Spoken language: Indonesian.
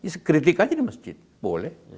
sekritik aja di masjid boleh